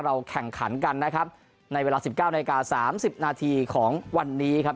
แข่งขันกันนะครับในเวลา๑๙นาที๓๐นาทีของวันนี้ครับ